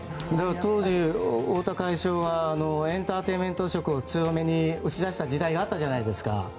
当時、太田会長はエンターテインメント色を強めに打ちだした時代があったじゃないですか。